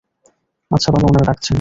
আচ্ছা বাবা, ওনারা ডাকছেন।